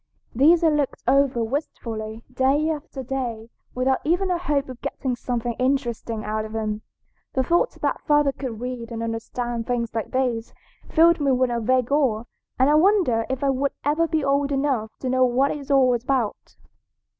These I looked over wistfully, day after day, without even a hope of getting something interesting out of them. The thought that father could read and understand things like these filled me with a vague awe, and I wondered if I would ever be old enough to know what it was all about.